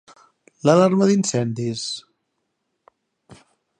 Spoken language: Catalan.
L'alarma d'incendis?